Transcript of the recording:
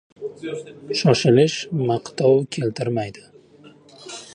• Shoshilish maqtov keltirmaydi.